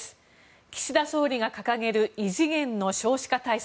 岸田総理が掲げる異次元の少子化対策。